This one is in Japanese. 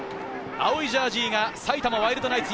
青いジャージーが埼玉ワイルドナイツ。